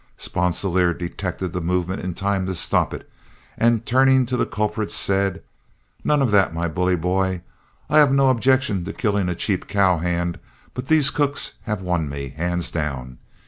Sponsilier detected the movement in time to stop it, and turning to the culprit, said: "None of that, my bully boy. I have no objection to killing a cheap cow hand, but these cooks have won me, hands down.